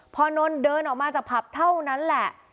พอนนท์เดินออกมาจากผับเท่านั้นแหละ